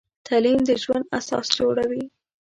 تعلیم د ژوند اساس جوړوي.